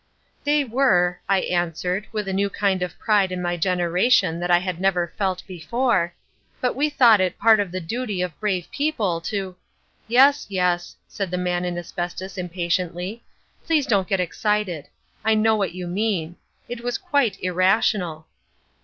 "They were," I answered, with a new kind of pride in my generation that I had never felt before, "but we thought it part of the duty of brave people to—" "Yes, yes," said the Man in Asbestos impatiently, "please don't get excited. I know what you mean. It was quite irrational."